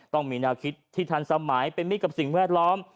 ต้องมีแนวคิดที่ทันสมัยเป็นมิตรกับสิ่งแวดล้อม